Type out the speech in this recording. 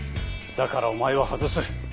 だからお前は外す！